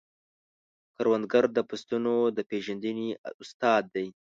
کروندګر د فصلونو د پیژندنې استاد دی